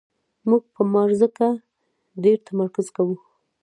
موږ په مار ځکه ډېر تمرکز کوو.